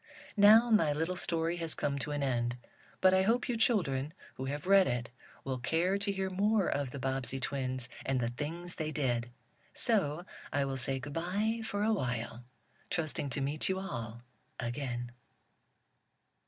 Now my little story has come to an end, but I hope you children who have read it will care to hear more of the Bobbsey twins and the things they did. So I will say goodbye for a while, trusting to meet you all again.